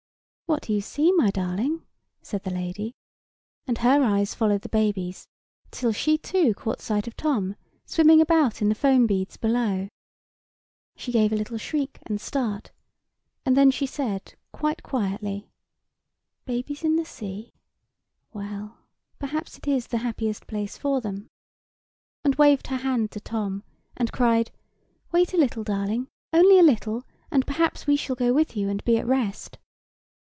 "What do you see, my darling?" said the lady; and her eyes followed the baby's till she too caught sight of Tom, swimming about among the foam beads below. She gave a little shriek and start; and then she said, quite quietly, "Babies in the sea? Well, perhaps it is the happiest place for them;" and waved her hand to Tom, and cried, "Wait a little, darling, only a little: and perhaps we shall go with you and be at rest."